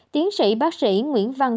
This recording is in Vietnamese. tiến sĩ bác sĩ nguyễn văn